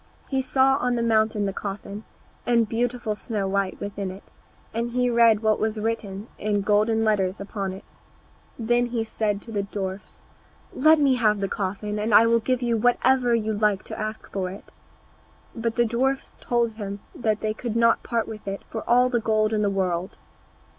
He saw on the mountain the coffin, and beautiful Snow white within it, and he read what was written in golden letters upon it. Then he said to the dwarfs, "Let me have the coffin, and I will give you whatever you like to ask for it." But the dwarfs told him that they could not part with it for all the gold in the world.